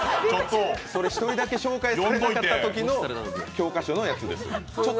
１人だけ紹介されなかったときの、教科書のやつですよ。